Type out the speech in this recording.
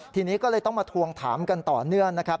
ทีนี้ก็เลยต้องมาทวงถามกันต่อเนื่องนะครับ